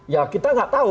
ya kita gak tau